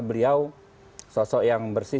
beliau sosok yang bersih